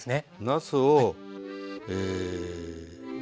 なすをえ。